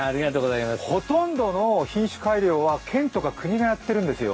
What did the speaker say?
ほとんどの品種改良は県とか国がやっているんですよ。